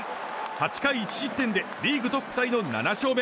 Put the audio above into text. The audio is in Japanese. ８回１失点でリーグトップタイの７勝目。